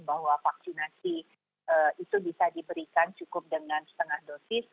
bahwa vaksinasi itu bisa diberikan cukup dengan setengah dosis